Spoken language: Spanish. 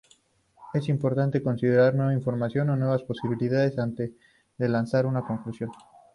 Es importante considerar nueva información o nuevas posibilidades antes de lanzar una conclusión.